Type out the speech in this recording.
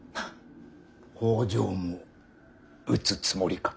北条も討つつもりか。